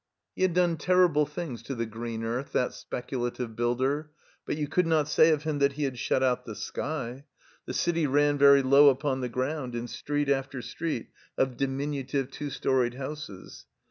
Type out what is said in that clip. He had done terrible things to the green earth, that speculative builder, but you could not say of him that he had shut out the slqr. The city ran very low upon the grotmd in street after street of diminu tive two storied houses.